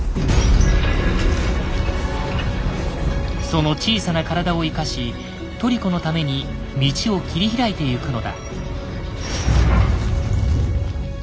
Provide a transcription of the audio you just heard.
その小さな体を生かしトリコのために道を切り開いてゆくのだ。